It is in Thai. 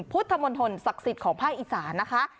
พุทธมณฑลศักดิ์สิทธิ์ของภาคอีสานนะคะ